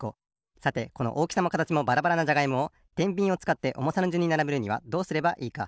さてこのおおきさもかたちもばらばらなじゃがいもをてんびんをつかっておもさのじゅんにならべるにはどうすればいいか？